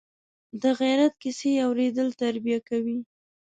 د عبرت کیسې اورېدل تربیه کوي.